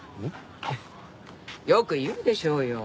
よく言うでしょうよ。